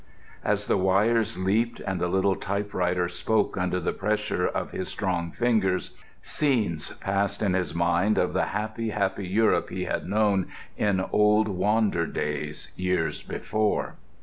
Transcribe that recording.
As the wires leaped and the little typewriter spoke under the pressure of his strong fingers, scenes passed in his mind of the happy, happy Europe he had known in old wander days, years before.